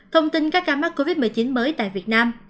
thông tin các ca mắc covid một mươi chín mới tại việt nam